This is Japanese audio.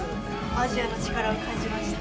アジアの力を感じました！